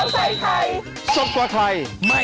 โปรดติดตามตอนต่อไป